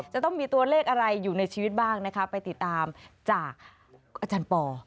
จะต้องมีตัวเลขอะไรอยู่ในชีวิตบ้างนะคะไปติดตามจากอาจารย์ปอ